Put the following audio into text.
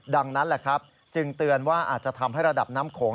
ดังนั้นแหละครับจึงเตือนว่าอาจจะทำให้ระดับน้ำโขง